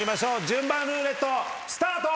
順番ルーレットスタート！